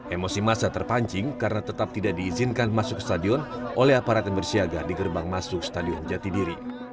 emosi masa terpancing karena tetap tidak diizinkan masuk ke stadion oleh aparat yang bersiaga di gerbang masuk stadion jatidiri